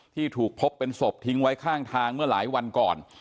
ที่ถูกพบเป็นศพทิ้งไว้ข้างทางเมื่อหลายวันก่อน